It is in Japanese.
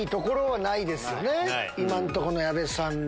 今のとこの矢部さんに。